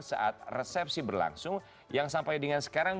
saat resepsi berlangsung yang sampai dengan sekarang